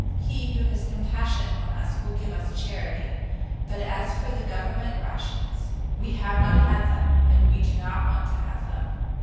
He who has compassion on us will give us charity, but as for the government rations, we have not had them and we do not want to have them.'